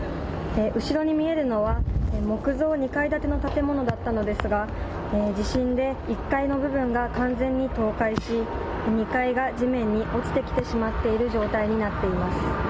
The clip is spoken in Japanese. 後ろに見えるのは、木造２階建の建物だったのですが、地震で１階の部分が完全に倒壊し、２階が地面に落ちてきてしまっている状態になっています。